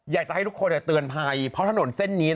อยากจะให้ทุกคนเตือนภัยเพราะถนนเส้นนี้